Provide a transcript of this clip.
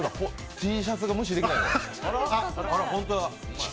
Ｔシャツが無視できないわ。